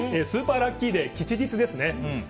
スーパーラッキーデー吉日ですね。